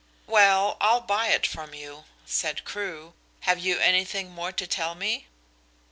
"Well, I'll buy it from you," said Crewe. "Have you anything more to tell me?"